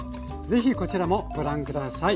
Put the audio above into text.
是非こちらもご覧下さい。